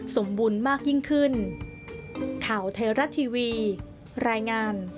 สมบูรณ์มากยิ่งขึ้น